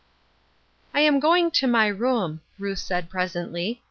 " I am going to my room," Ruth said pres ently.